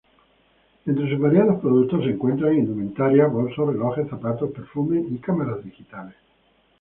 Entre sus variados productos se encuentran Indumentaria, bolsos, relojes, zapatos, perfume y Cámara digitales.